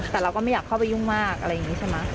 แต่เราก็ไม่อยากเข้าไปยุ่งมากอะไรอย่างนี้ใช่ไหม